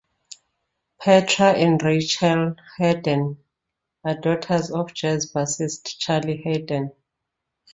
Petra and Rachel Haden are daughters of jazz bassist Charlie Haden.